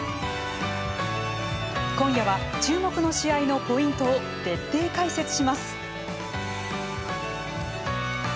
今夜は、注目の試合のポイントを徹底解説します。